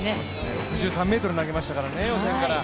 ６３ｍ投げましたからね、予選から。